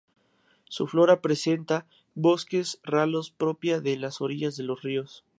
Su flora presenta bosques ralos propia de las orillas de los ríos.